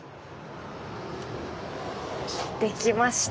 できました。